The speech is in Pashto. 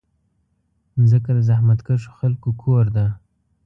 مځکه د زحمتکښو خلکو کور ده.